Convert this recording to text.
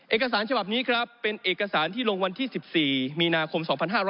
เอกสารฉบับนี้ครับเป็นเอกสารที่ลงวันที่๑๔มีนาคม๒๕๖๐